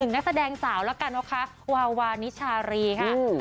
นักแสดงสาวแล้วกันนะคะวาวานิชารีค่ะ